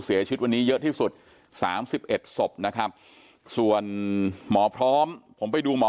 เสียชีวิตวันนี้เยอะที่สุด๓๑ศพนะครับส่วนหมอพร้อมผมไปดูหมอ